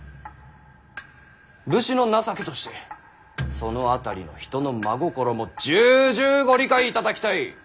武士の情けとしてその辺りの人の真心も重々ご理解いただきたい。